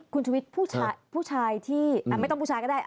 คุณชุวิตผู้ชายที่ไม่ต้องผู้ชายก็ได้